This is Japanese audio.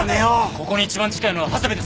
ここに一番近いのは長谷部ですね。